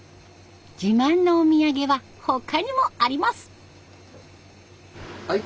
自慢のお土産は他にもあります。